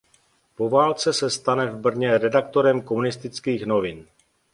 Po válce se stane v Brně redaktorem komunistických novin.